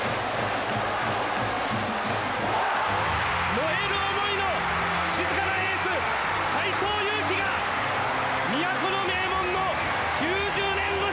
燃える思いの静かなエース斎藤佑樹が都の名門の９０年越しの夢をかなえました！